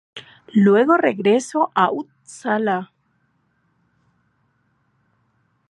Luego regresó a Upsala.